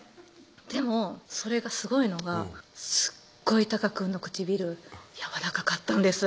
でもそれがすごいのがすっごい隆くんの唇やわらかかったんです